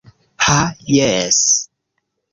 Ha, jes.